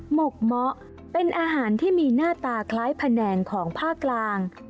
หกเมาะเป็นอาหารที่มีหน้าตาคล้ายแผนงของภาคกลาง